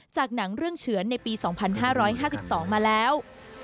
จากหนังเรื่องเฉือนในปี๒๕๕๒มาแล้ว